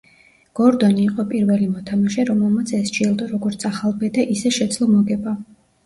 გორდონი იყო პირველი მოთამაშე, რომელმაც ეს ჯილდო, როგორც ახალბედა, ისე შეძლო მოგება.